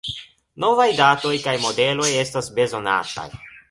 Novaj datoj kaj modeloj estas bezonataj.